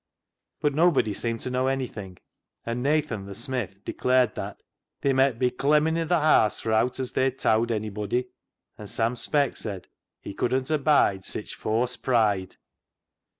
But nobody seemed to know anything, and Nathan the smith declared that " They met be clemmin' i' th' haase for owt as they towd onybody "; and Sam Speck said he " couldn't abide sitch fawse pride."